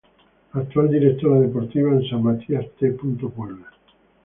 Actual Directora Deportiva en San Matías T. Puebla.